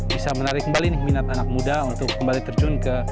bisa menarik kembali nih minat anak muda untuk kembali terjun ke